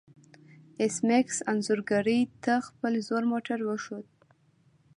ایس میکس انځورګرې ته خپل زوړ موټر وښود